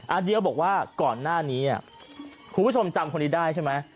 เดียวบอกว่าก่อนหน้านี้คุณผู้ชมจำคนนี้ได้ใช่ไหม